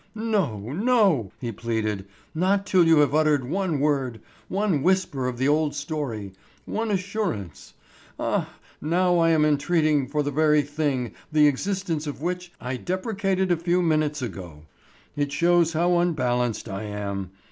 "No, no," he pleaded, "not till you have uttered one word, one whisper of the old story; one assurance—Ah, now I am entreating for the very thing, the existence of which, I deprecated a few minutes ago! It shows how unbalanced I am.